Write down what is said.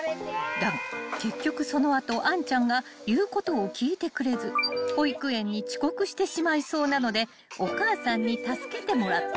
［だが結局その後羽恋ちゃんが言うことを聞いてくれず保育園に遅刻してしまいそうなのでお母さんに助けてもらった］